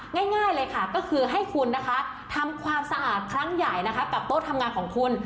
ง่ายเลยค่ะก็คือให้คุณนะคะทำความสะอาดครั้งใหญ่นะคะกับโต๊ะทำงานของคุณ